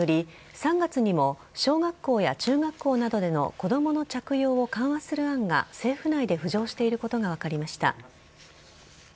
３月にも小学校や中学校などでの子供の着用を緩和する案が政府内で浮上していることが分かりました。